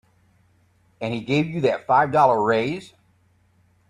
And he gave you that five dollar raise.